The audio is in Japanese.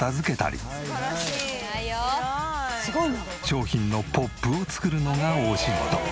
商品のＰＯＰを作るのがお仕事。